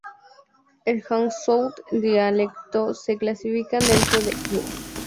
El Hangzhou dialecto se clasifican dentro de Wu.